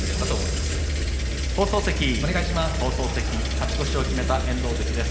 勝ち越しを決めた遠藤関です。